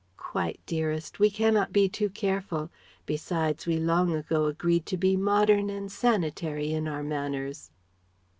"Quite, dearest. We cannot be too careful. Besides we long ago agreed to be modern and sanitary in our manners."